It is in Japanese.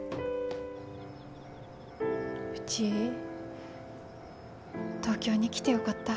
うち東京に来てよかった。